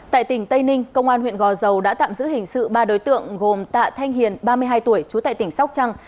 tại tỉnh tây ninh công an huyện gò dầu đã tạm giữ hình sự ba đối tượng gồm tạ thanh hiền ba mươi hai tuổi trú tại tỉnh sóc trăng